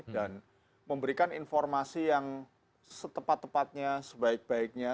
dan memberikan informasi yang setepat tepatnya sebaik baiknya